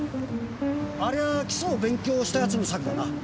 ありゃあ基礎を勉強した奴の作だな。